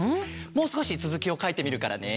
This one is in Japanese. もうすこしつづきをかいてみるからね。